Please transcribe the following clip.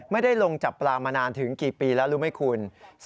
ไม่ได้ลงจับปลามานานถึงกี่ปีแล้วรู้ไหมคุณ